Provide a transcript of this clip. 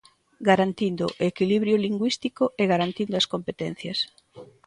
Garantindo o equilibrio lingüístico e garantindo as competencias.